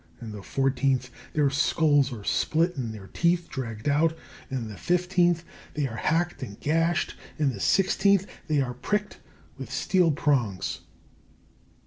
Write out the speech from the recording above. In the fourteenth, their skulls are split and their teeth dragged out. In the fifteenth, they are hacked and gashed. In the sixteenth, they are pricked with steel prongs.